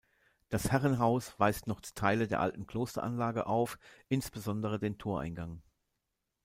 Das Herrenhaus weist noch Teile der alten Klosteranlage auf, insbesondere den Toreingang.